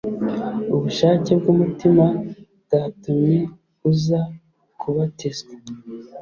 ubushake bw’umutima bwatumye uza kubatizwa?